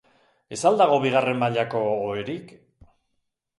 Ez al dago bigarren mailako oherik?